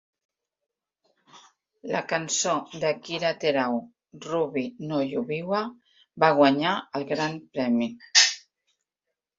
La cançó d'Akira Terao "Ruby no Yubiwa" va guanyar el Gran Premi.